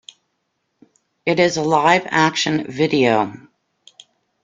It is a live-action video.